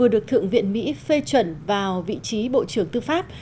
được thượng viện mỹ phê chuẩn vào vị trí bộ trưởng tư pháp